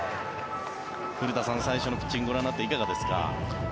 古田さん、最初のピッチングご覧になっていかがですか。